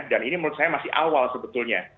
dan ini menurut saya masih awal sebetulnya